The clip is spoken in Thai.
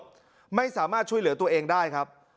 ไม่สามารถช่วยเหลือตัวเองได้ครับ